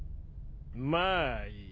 まあいい。